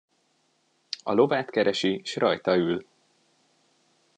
A lovát keresi s rajta ül.